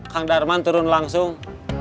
kang darman turun langsung